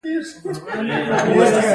ایا تبه مو د ماښام لخوا وي؟